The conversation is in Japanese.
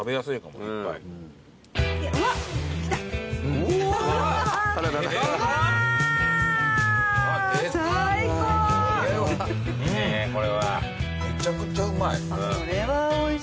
うんめちゃくちゃうまい。